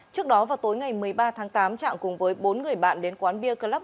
trước đó vào tối ngày một mươi ba tháng tám trạng cùng với bốn người bạn đến quán bia club